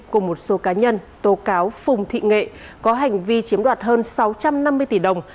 cùng một số cá nhân tố cáo phùng thị nghệ có hành vi chiếm đoạt hơn sáu trăm năm mươi tỷ đồng